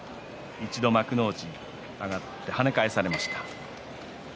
一度、幕内に上がって跳ね返されました。